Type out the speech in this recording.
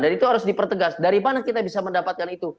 dan itu harus dipertegas dari mana kita bisa mendapatkan itu